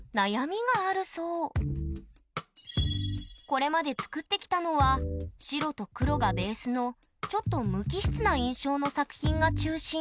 これまで作ってきたのは白と黒がベースのちょっと無機質な印象の作品が中心。